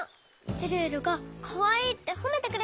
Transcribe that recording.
えるえるがかわいいってほめてくれたのよ。